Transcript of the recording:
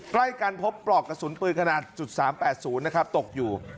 ใกล้กันพบปลอกกระสุนปืนขนาด๓๘๐นะครับตกอยู่